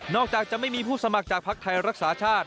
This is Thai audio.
นอกจากจะไม่มีผู้สมัครจากพักธัยรักษาชาติ